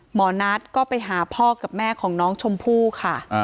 หมอนัทก็ไปหาพ่อกับแม่ของน้องชมพู่ค่ะ